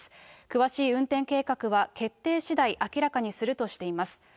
詳しい運転計画は決定しだい、明らかにするとしています。